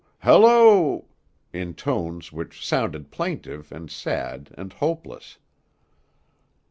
Halloo!" in tones which sounded plaintive, and sad, and hopeless.